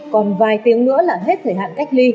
còn vài tiếng nữa là